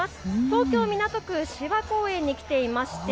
東京港区芝公園に来ていまして